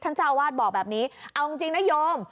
เจ้าอาวาสบอกแบบนี้เอาจริงนะโยม